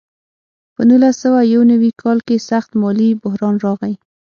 په نولس سوه یو نوي کال کې سخت مالي بحران راغی.